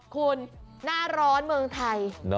คุณหน้าร้อนเมืองไทย